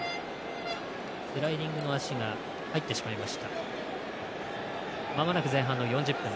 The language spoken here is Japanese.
スライディングの足が入ってしまいました。